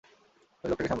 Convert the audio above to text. ওই লোকটাকে সামলা।